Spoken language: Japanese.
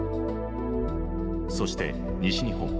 そして西日本。